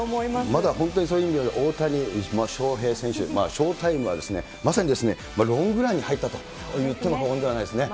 まだ本当にそういう意味では、大谷翔平選手、ショータイムは、まさにロングランに入ったと言っても過言ではないですね。